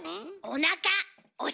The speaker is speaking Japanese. おなか？